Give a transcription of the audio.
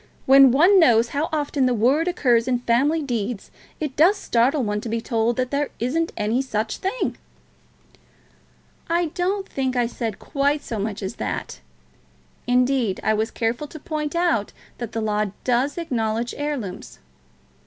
when one knows how often the word occurs in family deeds, it does startle one to be told that there isn't any such thing." "I don't think I said quite so much as that. Indeed, I was careful to point out that the law does acknowledge heirlooms."